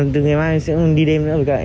từ ngày mai em sẽ đi đêm nữa